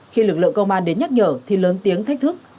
khi lực lượng công an đến nhắc nhở thì lớn tiếng thách thức